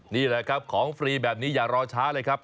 นี่แหละครับของฟรีแบบนี้อย่ารอช้าเลยครับ